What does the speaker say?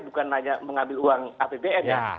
bukan hanya mengambil uang apbn ya